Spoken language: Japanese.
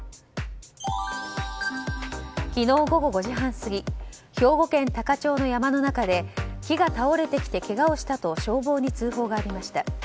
昨日午後５時半過ぎ兵庫県多可町の山の中で木が倒れてきて、けがをしたと消防に通報がありました。